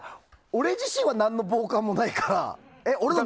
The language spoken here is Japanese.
俺自身は何の防寒もないからさ。